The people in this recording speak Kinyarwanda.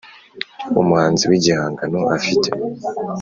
Umuhanzi w igihangano afite